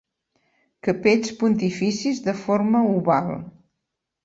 Capells pontificis de forma oval.